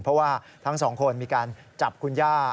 เพราะว่าทั้งสองคนมีการจับคุณย่า